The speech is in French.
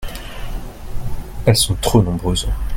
elles sont trop nombreuses.